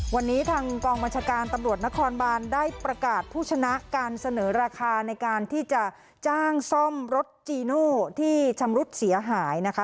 วันนี้ทางกองบัญชาการตำรวจนครบานได้ประกาศผู้ชนะการเสนอราคาในการที่จะจ้างซ่อมรถจีโน่ที่ชำรุดเสียหายนะคะ